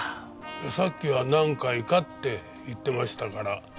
さっきは何回かって言ってましたから。